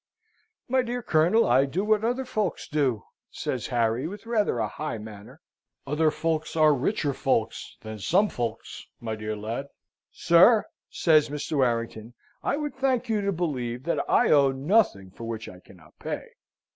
"My dear Colonel, I do what other folks do," says Harry, with rather a high manner. "Other folks are richer folks than some folks, my dear lad." "Sir!" says Mr. Warrington, "I would thank you to believe that I owe nothing for which I cannot pay!"